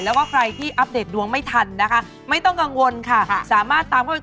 อะไรที่เป็นตัว